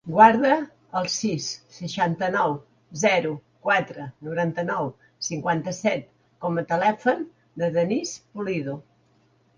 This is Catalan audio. Guarda el sis, seixanta-nou, zero, quatre, noranta-nou, cinquanta-set com a telèfon del Denís Pulido.